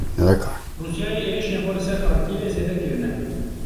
Rûsyayê êrişên xwe li ser Xarkîvê zêde kirine.